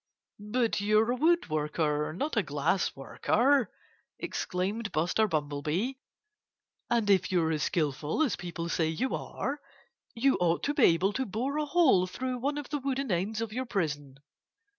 "But you're a woodworker not a glass worker!" exclaimed Buster Bumblebee. "And if you're as skillful as people say you are, you ought to be able to bore a hole through one of the wooden ends of your prison."